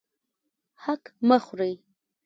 حق مه خورئ